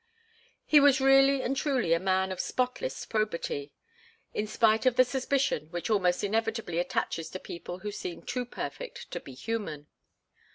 He was really and truly a man of spotless probity, in spite of the suspicion which almost inevitably attaches to people who seem too perfect to be human.